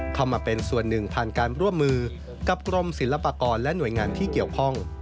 เข้ามาเป็นส่วนหนึ่งผ่านการร่วมมือกับกรมศิลปากรและหน่วยงานที่เกี่ยวข้อง